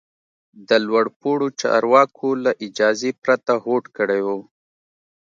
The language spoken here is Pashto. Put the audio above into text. د لوړ پوړو چارواکو له اجازې پرته هوډ کړی و.